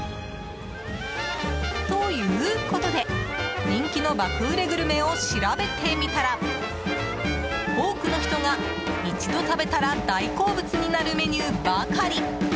ということで人気の爆売れグルメを調べてみたら多くの人が、一度食べたら大好物になるメニューばかり。